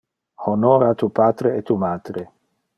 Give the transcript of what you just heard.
Honora tu patre e tu matre.